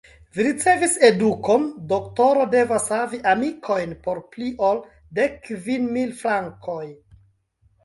Vi ricevis edukon: doktoro devas havi amikojn por pli ol dek kvin mil frankoj.